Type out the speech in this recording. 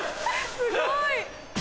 すごい。